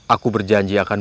aku berjanji akan